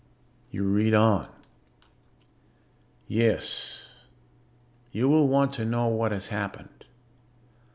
You read on: "Yes, you will want to know what has happened.